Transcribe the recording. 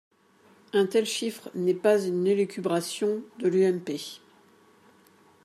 Un tel chiffre n’est pas une élucubration de l’UMP.